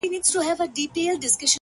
او له نن څخه پنځلس کاله وړاندې